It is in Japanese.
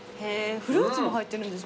フルーツも入ってるんですもんね。